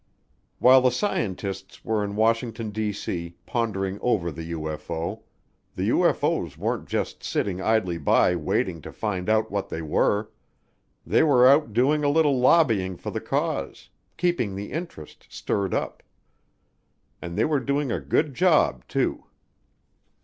While the scientists were in Washington, D.C., pondering over the UFO, the UFO's weren't just sitting idly by waiting to find out what they were they were out doing a little "lobbying" for the cause keeping the interest stirred up. And they were doing a good job, too.